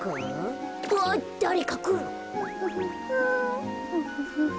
あっだれかくる。